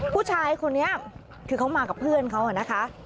ผู้ชายคนนี้คือเขามากับเพื่อนเขานะคะ